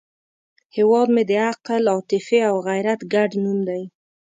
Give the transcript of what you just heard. هیواد مې د عقل، عاطفې او غیرت ګډ نوم دی